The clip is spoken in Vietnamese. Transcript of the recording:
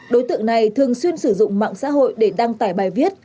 đối tượng này thường xuyên sử dụng mạng xã hội để đăng tải bài viết